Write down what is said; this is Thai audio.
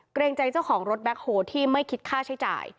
เกรงใจเจ้าของรถแบ็คโฮที่ไม่คิดค่าใช้จ่าย